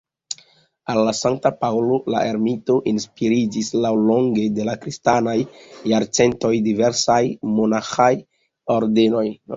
Al Sankta Paŭlo la Ermito inspiriĝis laŭlonge de la kristanaj jarcentoj diversaj monaĥaj ordenoj.